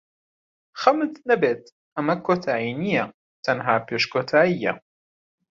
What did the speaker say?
خەمت نەبێت، ئەمە کۆتایی نییە، تەنها پێش کۆتایییە.